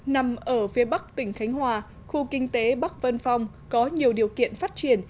nằm ở phía bắc tỉnh khánh hòa khu kinh tế bắc vân phong có nhiều điều kiện phát triển